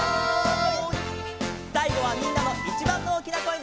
さいごはみんなのいちばんおおきなこえでせの！